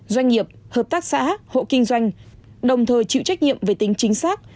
doanh nghiệp hợp tác xã hộ kinh doanh đồng thời chịu trách nhiệm về tính chính xác